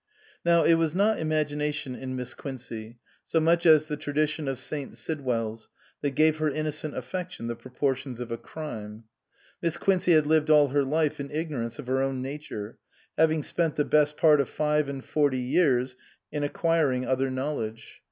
Now it was not imagination in Miss Quincey, so much as the tradition of St. Sidwell's, that gave her innocent affection the proportions of a crime. Miss Quincey had lived all her life in ignorance of her own nature, having spent the best part of five and forty years in acquiring other knowledge.